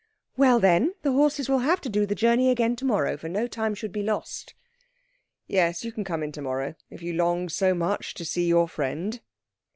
"Well, then, the horses will have to do the journey again to morrow, for no time should be lost." "Yes, you can come in to morrow, if you long so much to see your friend."